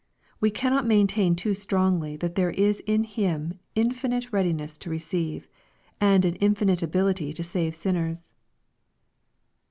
We cannot maintain too strongly that there is in Him an infinite readiness to receive, and an infinite ability to save sinners.